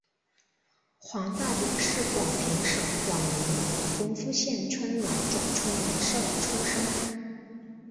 黄大秉是广平省广宁府丰富县春来总春来社出生。